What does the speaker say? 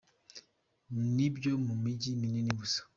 Ni ibyo mu mijyi minini gusa.